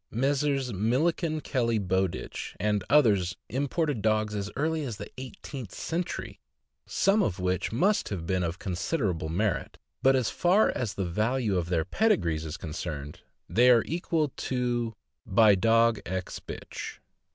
Messrs. Milliken, Kelly, Bow ditch, and others imported dogs as early as the eighteenth century, some of which must have been of considerable merit; but as far as the value of their pedigrees is con cerned, they are equal to uBy dog ex bitch."